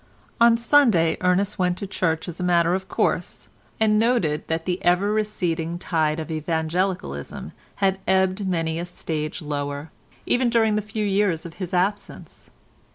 On Sunday Ernest went to church as a matter of course, and noted that the ever receding tide of Evangelicalism had ebbed many a stage lower, even during the few years of his absence.